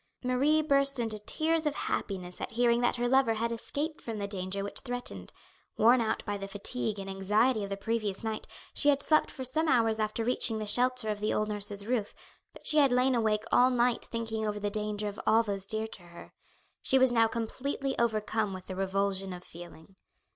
Marie burst into tears of happiness at hearing that her lover had escaped from the danger which threatened. Worn out by the fatigue and anxiety of the previous night, she had slept for some hours after reaching the shelter of the old nurse's roof, but she had lain awake all night thinking over the danger of all those dear to her. She was now completely overcome with the revulsion of feeling.